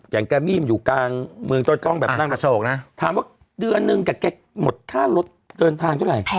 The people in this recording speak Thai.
อย่างแกมี่มาอยู่กลางเมืองต้นต้องแบบนั่งถามว่าเดือนนึงกัดแกะหมดค่ารถเดินทางเท่าไหร่